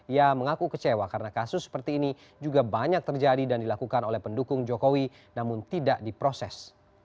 ia mengaku kecewa karena kasus seperti ini juga banyak terjadi dan dilakukan oleh pendukung jokowi namun tidak diproses